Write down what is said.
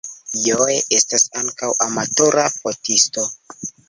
Joe estas ankaŭ amatora fotisto.